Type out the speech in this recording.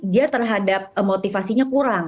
dia terhadap motivasinya kurang